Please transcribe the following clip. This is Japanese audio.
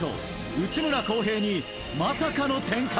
内村航平にまさかの展開。